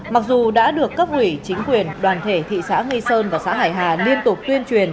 mặc dù đã được cấp ủy chính quyền đoàn thể thị xã nghi sơn và xã hải hà liên tục tuyên truyền